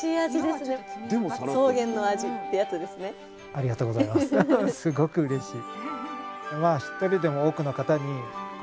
すごくうれしい。